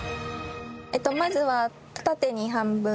まずは縦に半分。